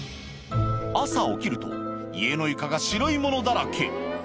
朝起きると家の床が白いものだらけ